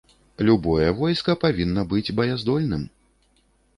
Любое войска павінна быць баяздольным.